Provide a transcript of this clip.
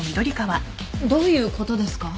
どういうことですか？